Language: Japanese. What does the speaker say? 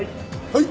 はい。